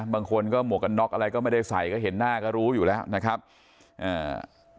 บางคนก็หมวกกันน็อกอะไรก็ไม่ได้ใส่ก็เห็นหน้าก็รู้อยู่แล้วนะครับอ่า